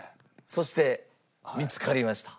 そして見つかりました。